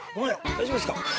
大丈夫です。